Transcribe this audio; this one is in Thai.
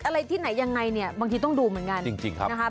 อะไรที่ไหนยังไงเนี่ยบางทีต้องดูเหมือนกันจริงครับนะคะ